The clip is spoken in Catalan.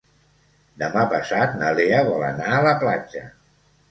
Demà passat na Lea vol anar a la platja.